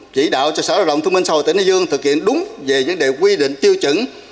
chỉ đạo cho xã hội đồng thông minh xã hội tỉnh thái dương thực hiện đúng về những quy định tiêu chuẩn